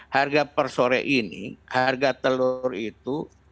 harga per sore ini harga telur itu